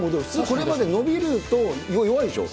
これまで伸びると、弱いでしょ？